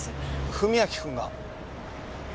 史明君が？